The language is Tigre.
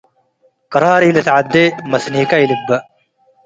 ቅራር ኢልትዐዴ መስኒከ ኢልግበእ።